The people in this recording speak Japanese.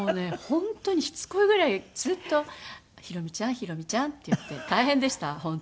本当にしつこいぐらいずっと「宏美ちゃん宏美ちゃん」って言って大変でした本当に。